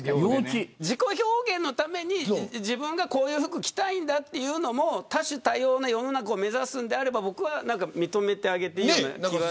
自己表現のために自分がこういう服を着たいんだというのも多種多様な世の中を目指すのであれば僕は認めてあげていいんじゃないかと。